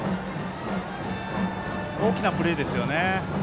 大きなプレーですね。